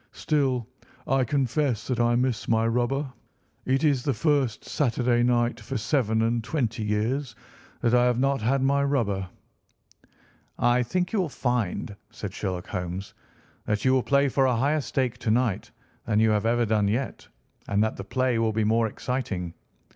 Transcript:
"Still, I confess that I miss my rubber. It is the first Saturday night for seven and twenty years that I have not had my rubber." "I think you will find," said Sherlock Holmes, "that you will play for a higher stake to night than you have ever done yet, and that the play will be more exciting.